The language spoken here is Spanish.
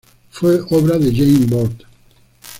Fue obra de Jaime Bort.